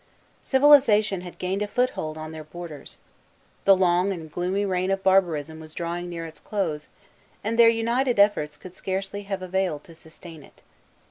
Civilization had gained a foothold on their borders. The long and gloomy reign of barbarism was drawing near its close, and their united efforts could scarcely have availed to sustain it.